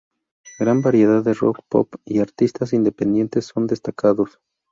Gran variedad de rock, pop y artistas independientes son destacados.